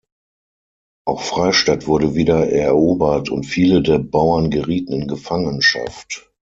Auch Freistadt wurde wieder erobert, und viele der Bauern gerieten in Gefangenschaft.